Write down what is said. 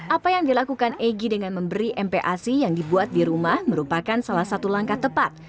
apa yang dilakukan egy dengan memberi mpac yang dibuat di rumah merupakan salah satu langkah tepat